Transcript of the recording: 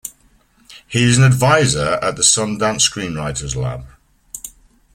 He is an advisor at the Sundance Screenwriters Lab.